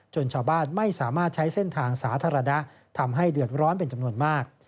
ชาวบ้านไม่สามารถใช้เส้นทางสาธารณะทำให้เดือดร้อนเป็นจำนวนมาก